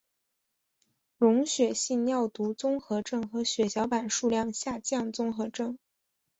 溶血性尿毒综合征和血小板数量下降综合征。